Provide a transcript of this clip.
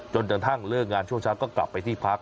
จนกระทั่งเลิกงานช่วงเช้าก็กลับไปที่พัก